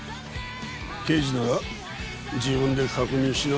刑事なら自分で確認しな。